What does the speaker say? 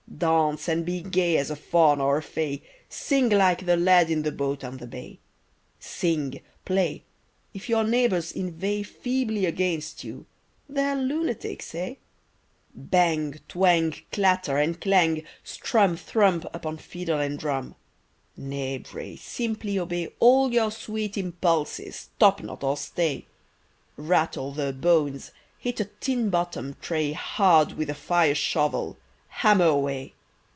Dance and be gay as a faun or a fay, Sing like the lad in the boat on the bay; Sing, play—if your neighbours inveigh Feebly against you, they're lunatics, eh? Bang, twang, clatter and clang, Strum, thrum, upon fiddle and drum; Neigh, bray, simply obey All your sweet impulses, stop not or stay! Rattle the "bones," hit a tinbottom'd tray Hard with the fireshovel, hammer away!